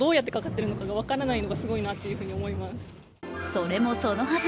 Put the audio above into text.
それもそのはず。